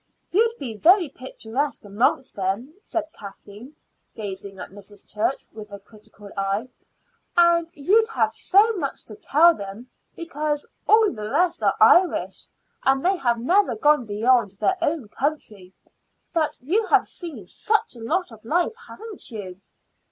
"You'd be very picturesque amongst them," said Kathleen, gazing at Mrs. Church with a critical eye. "And you'd have so much to tell them; because all the rest are Irish, and they have never gone beyond their own country. But you have seen such a lot of life, haven't you?"